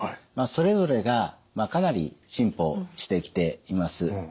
それぞれがかなり進歩してきています。